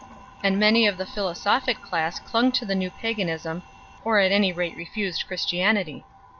And many of the philosophic class clung to the new paganism, or at any rate refused Christianity.